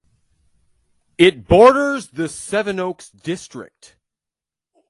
It borders the Sevenoaks District.